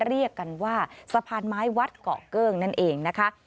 เรียกกันว่าสะพานไม้วัดเกาะเกิ้งนั่นเองนะคะ